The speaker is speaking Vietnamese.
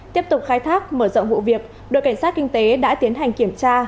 tiếp tục khai thác mở rộng vụ việc đội cảnh sát kinh tế đã tiến hành kiểm tra